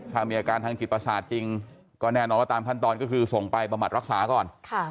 ถ้ามีอาการทางจิตประสาทจริงก็แน่นอนว่าตามขั้นตอนก็คือส่งไปบำบัดรักษาก่อน